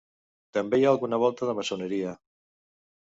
També hi ha alguna volta de maçoneria.